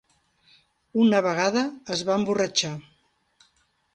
Una vegada es va emborratxar.